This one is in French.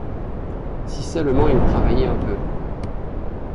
Si seulement il travaillait un peu !